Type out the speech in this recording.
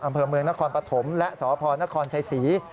อำเภอเมืองนครปฐมและสพนครชัยศรี